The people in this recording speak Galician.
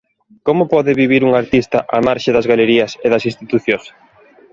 Como pode vivir un artista á marxe das galerías e das institucións?